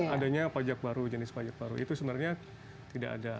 adanya pajak baru jenis pajak baru itu sebenarnya tidak ada